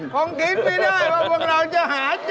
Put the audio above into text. คงคิดไม่ได้ว่าพวกเราจะหากิน